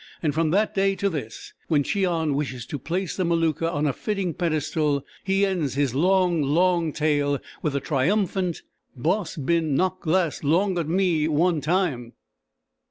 And from that day to this when Cheon wishes to place the Maluka on a fitting pedestal, he ends his long, long tale with a triumphant: "Boss bin knock glass longa me one time."